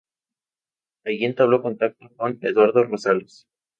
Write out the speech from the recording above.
Allí entabló contacto con Eduardo Rosales.